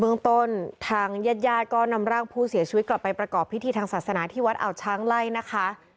เมืองต้นทางญาติญาติก็นำร่างผู้เสียชีวิตกลับไปประกอบพิธีทางศาสนาที่วัดอ่าวช้างไล่นะคะ